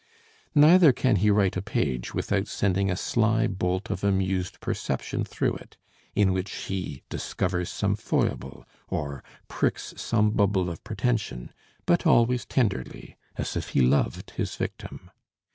Neither can he write a page without sending a sly bolt of amused perception through it, in which he discovers some foible or pricks some bubble of pretension, but always tenderly, as if he loved his victim.